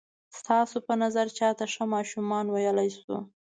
ستاسو په نظر چاته ښه ماشومان ویلای شو؟